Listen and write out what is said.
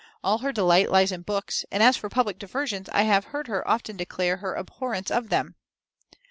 All her delight lies in books; and as for public diversions, I have heard her often declare her abhorrence of them."